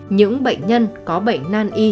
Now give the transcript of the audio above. những bệnh nhân có bệnh nan y